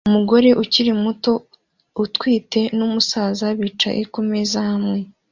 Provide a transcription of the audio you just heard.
Umugore ukiri muto utwite numusaza bicaye kumeza hamwe